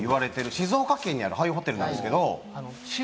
静岡県にある廃ホテルなんですけれど。